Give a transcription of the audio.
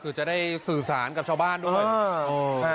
คือจะได้สื่อสารกับชาวบ้านด้วย